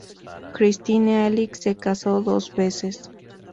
Christine Alix se casó dos veces.